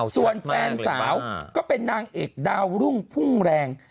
ส่วนแฟนสาวก็เป็นนางเอกดาวรุ่งพุ่งแรง